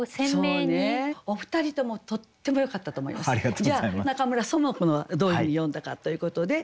じゃあ中村苑子はどういうふうに詠んだかということで。